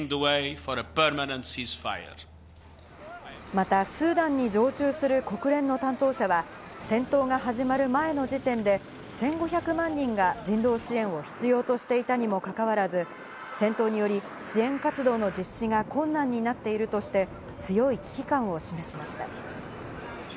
また、スーダンに常駐する国連の担当者は戦闘が始まる前の時点で１５００万人が人道支援を必要としていたにもかかわらず、戦闘により支援活動の実施が困難になっているとして、強い危機感を示しました。